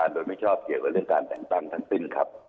โดยไม่ชอบเกี่ยวกับเรื่องการแต่งตั้งทั้งสิ้นครับ